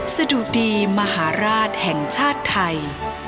สะดุดีมหาราชแห่งชาติไทย